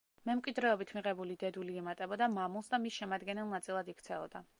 მემკვიდრეობით მიღებული დედული ემატებოდა მამულს და მის შემადგენელ ნაწილად იქცეოდა.